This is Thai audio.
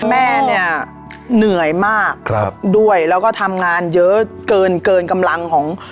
แม่เนี่ยเหนื่อยมากครับด้วยแล้วก็ทำงานเยอะเกินเกินกำลังของ